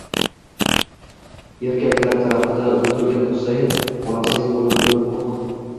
erkaklar tarafida o'tirgan Husayin onasining qo'lini o'pmoq